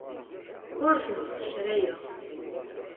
Ur tent-ssekrayeɣ.